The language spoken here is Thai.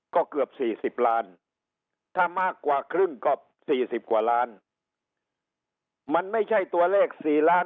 ก็เกือบ๔๐ล้านถ้ามากกว่าครึ่งก็๔๐กว่าล้านมันไม่ใช่ตัวเลข๔ล้าน